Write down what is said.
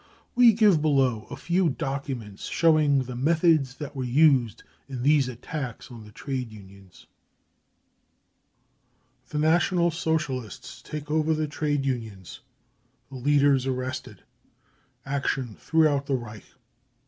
We give below a few documents showing the methods that were used in these attacks on the trade unions :" The National Socialists take over the trade unions : the leaders arrested : action throughout the Reich.